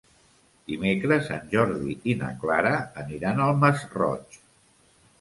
Dimecres en Jordi i na Clara aniran al Masroig.